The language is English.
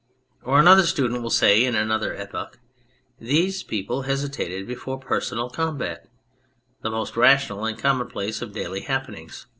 Or another student will say in another epoch :" These people hesitated before personal combat the most rational and commonplace of daily happenings.